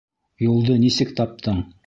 Юлды нисек таптың?